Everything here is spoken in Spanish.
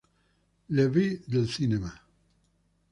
La vie del cinema".